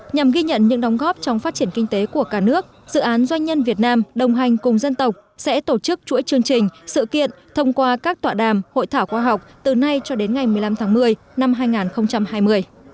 nhằm ghi nhận những đóng góp trong phát triển kinh tế của cả nước dự án doanh nhân việt nam đồng hành cùng dân tộc sẽ tổ chức chuỗi chương trình sự kiện thông qua các tọa đàm hội thảo khoa học từ nay cho đến ngày một mươi năm tháng một mươi năm hai nghìn hai mươi